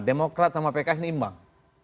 demokrat sama pks ini imbang